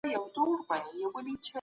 دا څومره لوی ثواب دی.